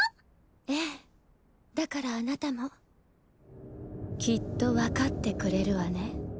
ええだからあなたもきっと分かってくれるわね？